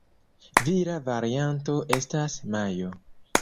Vira varianto estas "Majo".